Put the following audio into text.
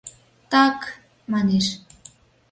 — Так, манеш.